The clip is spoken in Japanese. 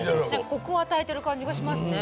コクを与えてる感じがしますね。